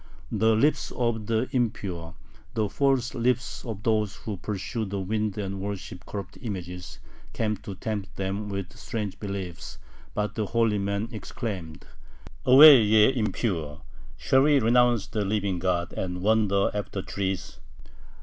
The lips of the impure, the false lips of those who pursue the wind and worship corrupt images, came to tempt them with strange beliefs, but the holy men exclaimed: "Away, ye impure! Shall we renounce the living God, and wander after trees?"